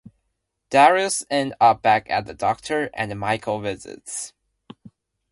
Darius ends up back at the doctor and Michael visits.